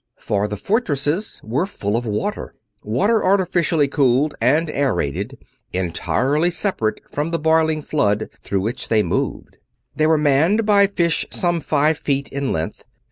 For the fortresses were full of water; water artificially cooled and aerated, entirely separate from the boiling flood through which they moved. They were manned by fish some five feet in length.